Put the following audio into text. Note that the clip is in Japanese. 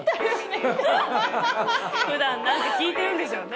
普段何か聞いてるんでしょうね